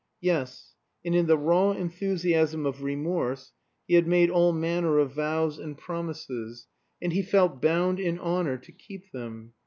Yes; and in the raw enthusiasm of remorse he had made all manner of vows and promises, and he felt bound in honor to keep them.